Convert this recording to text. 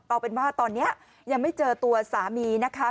เอาเป็นว่าตอนนี้ยังไม่เจอตัวสามีนะคะ